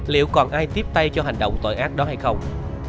liệu còn ai tiếp tay cho hành động tội ác đó hay không